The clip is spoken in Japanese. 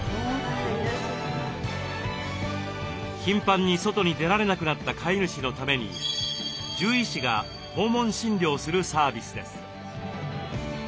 頻繁に外に出られなくなった飼い主のために獣医師が訪問診療するサービスです。